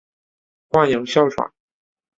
患有哮喘。